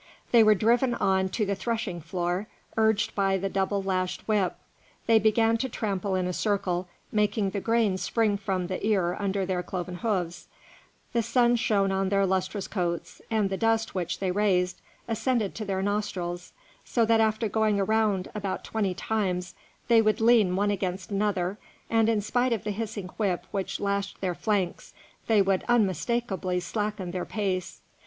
They were driven on to the threshing floor; urged by the double lashed whip, they began to trample in a circle, making the grain spring from the ear under their cloven hoofs; the sun shone on their lustrous coats, and the dust which they raised ascended to their nostrils, so that after going around about twenty times, they would lean one against another, and in spite of the hissing whip which lashed their flanks, they would unmistakably slacken their pace.